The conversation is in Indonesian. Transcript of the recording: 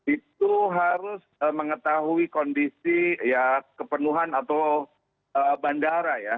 itu harus mengetahui kondisi kepenuhan atau bandara